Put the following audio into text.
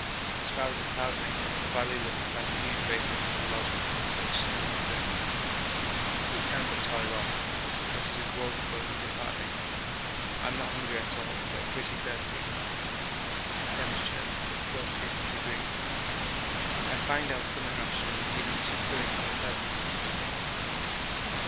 As far as the Cloudmaker the valley looks like a huge basin for the lodgement of such snow as this. We can but toil on, but it is woefully disheartening. I am not at all hungry, but pretty thirsty. (T. +15°.) I find our summit ration is even too filling for the present.